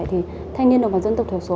thì thanh niên đồng bào dân tộc thiểu số